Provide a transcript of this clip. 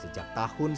salah satu contohnya